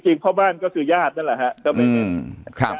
จริงพ่อบ้านก็คือยาดนั่นแหละครับ